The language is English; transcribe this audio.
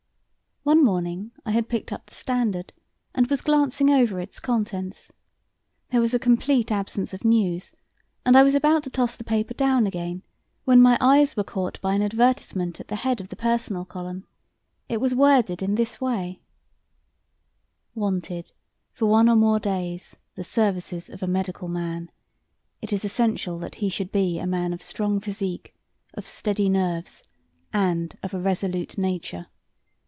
One morning I had picked up the Standard and was glancing over its contents. There was a complete absence of news, and I was about to toss the paper down again, when my eyes were caught by an advertisement at the head of the personal column. It was worded in this way: "Wanted for one or more days the services of a medical man. It is essential that he should be a man of strong physique, of steady nerves, and of a resolute nature.